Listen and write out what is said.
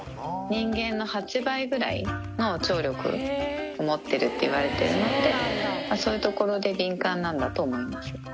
人間の８倍ぐらいの聴力を持っているっていわれているので、そういうところで敏感なんだと思います。